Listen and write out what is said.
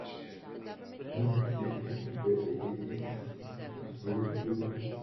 Jackson's record label would not release the video's budget figures.